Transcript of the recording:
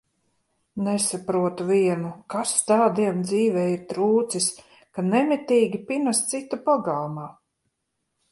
Nesaprotu vienu, kas tādiem dzīvē ir trūcis, ka nemitīgi pinas citu pagalmā?